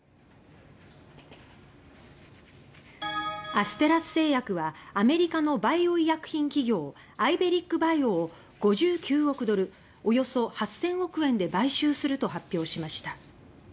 アステラス製薬はアメリカのバイオ医薬品企業アイベリック・バイオを５９億ドル＝およそ８千億円で買収すると発表しました。